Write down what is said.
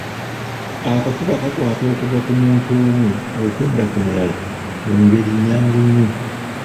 Akafuba kakwata okuva ku muntu omu okudda ku mulala mu ngeri nnyangu nnyo.